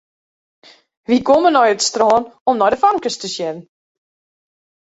Wy komme nei it strân om nei de famkes te sjen.